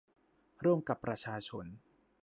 ร่วมกับประชาชน